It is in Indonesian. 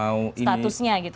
maksudnya statusnya gitu ya